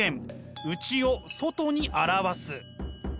「内を外に表す」。